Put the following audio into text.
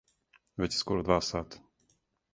Већ је скоро два сата.